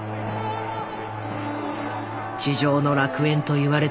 「地上の楽園」といわれた